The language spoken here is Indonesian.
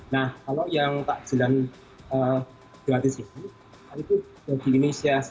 nah kalau yang takjilan gratis itu itu takjil inisiasi